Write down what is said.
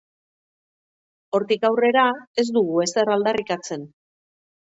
Hortik aurrera, ez dugu ezer aldarrikatzen.